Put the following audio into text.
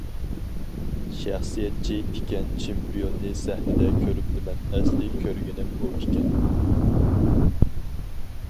شەخسىيەتچى ئىكەن چېمپىيوننى سەھنىدە كۆرۈپتىمەن ئەسلى كۆرگىنىم ئۇ ئىكەن.